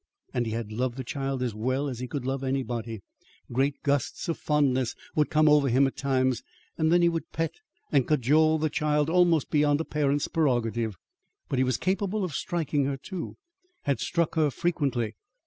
And he had loved the child as well as he could love anybody. Great gusts of fondness would come over him at times, and then he would pet and cajole the child almost beyond a parent's prerogative. But he was capable of striking her too had struck her frequently.